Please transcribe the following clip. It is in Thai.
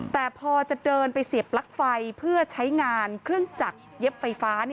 แต่พอจะเดินไปเสียบปลั๊กไฟเพื่อใช้งานเครื่องจักรเย็บไฟฟ้า